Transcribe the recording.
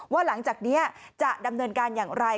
หลังจากนี้จะดำเนินการอย่างไร